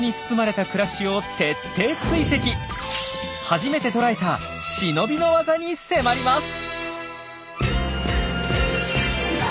初めてとらえた忍びの技に迫ります！